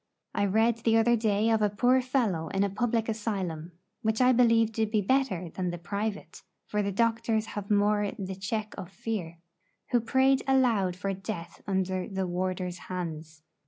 I read the other day of a poor fellow in a public asylum (which I believe to be better than the 'private,' for the doctors have more the check of fear) who prayed aloud for death under the warder's hands.